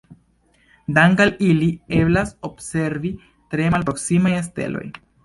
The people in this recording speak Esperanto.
Dank'al ili eblas observi tre malproksimaj steloj.